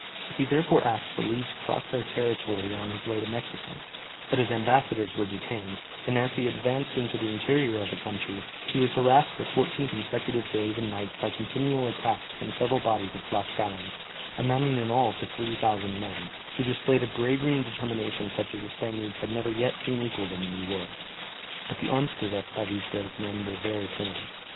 He therefore asked for leave to cross their territory on his way to Mexico; but his ambassadors were detained, and as he advanced into the interior of the country, he was harassed for fourteen consecutive days and nights by continual attacks from several bodies of Tlascalans, amounting in all to 30,000 men, who displayed a bravery and determination such as the Spaniards had never yet seen equalled in the New World. But the arms possessed by these brave men were very primitive.